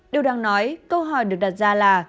điều đang nói câu hỏi được đặt ra là